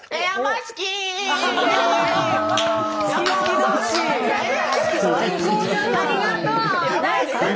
ありがとう。